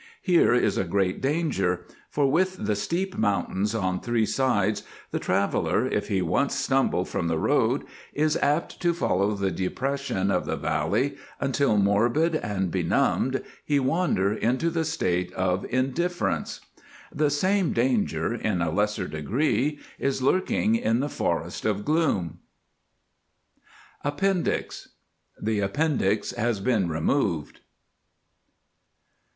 Here is a great danger, for with the steep mountains on three sides the traveller, if he once stumble from the road, is apt to follow the depression of the valley until morbid and benumbed he wander into the State of Indifference. The same danger, in a lesser degree, is lurking in the Forest of Gloom. APPENDIX The Appendix has been removed.